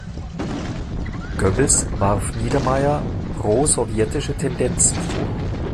Goebbels warf Niedermayer "prosowjetische Tendenzen" vor.